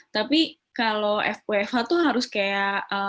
tapi kalau fwfh tuh harus kayak